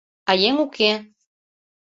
А еҥ уке.